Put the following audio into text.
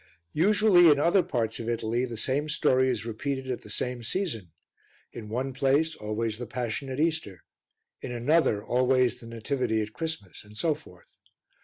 Usually, in other parts of Italy, the same story is repeated at the same season: in one place, always the Passion at Easter; in another, always the Nativity at Christmas, and so forth.